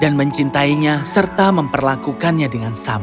dan mencintainya serta memperlakukannya dengan sama